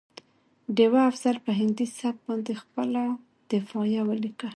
ډيوه افضل په هندي سبک باندې خپله دفاعیه ولیکه